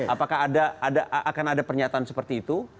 apakah akan ada pernyataan seperti itu